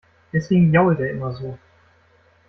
Deswegen jault er immer so.